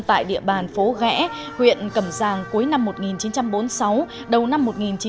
tại địa bàn phố ghẽ huyện cầm giàng cuối năm một nghìn chín trăm bốn mươi sáu đầu năm một nghìn chín trăm bốn mươi bảy